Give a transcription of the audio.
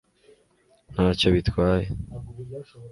ntacyo bitwaye